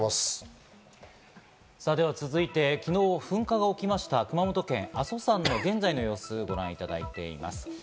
では続いて昨日、噴火が起きました、熊本県・阿蘇山の現在の様子をご覧いただいています。